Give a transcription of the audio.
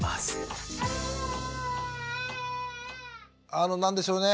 あの何でしょうね